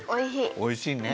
おいしいね。